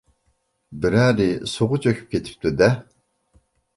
بىرەرى سۇغا چۆكۈپ كېتىپتۇ-دە؟